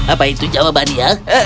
apa itu jawabannya